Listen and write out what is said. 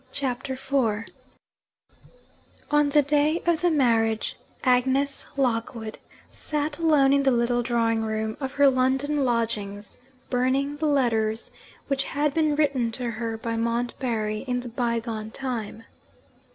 CHAPTER IV On the day of the marriage Agnes Lockwood sat alone in the little drawing room of her London lodgings, burning the letters which had been written to her by Montbarry in the bygone time.